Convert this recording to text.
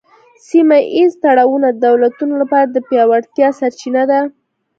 سیمه ایز تړونونه د دولتونو لپاره د پیاوړتیا سرچینه ده